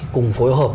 cùng phối hợp